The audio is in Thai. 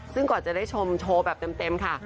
ซึ่งก่อนจะได้ชมโชว์แบบเต็มค่ะ